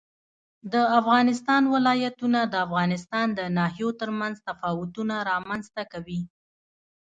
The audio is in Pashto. د افغانستان ولايتونه د افغانستان د ناحیو ترمنځ تفاوتونه رامنځ ته کوي.